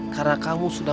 nuri enggak tadi sudah